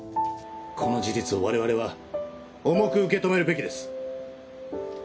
この事実を我々は重く受け止めるべきです